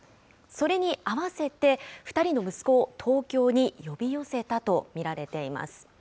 それに合わせて２人の息子を東京に呼び寄せたと見られています。